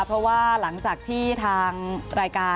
เพราะว่าหลังจากที่ทางรายการ